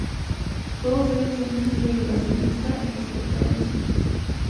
Todos ellos son de estilo renacentista en sus portadas.